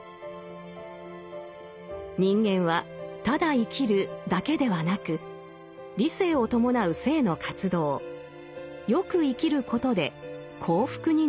人間は「ただ生きる」だけではなく理性を伴う生の活動「善く生きる」ことで「幸福」になるのです。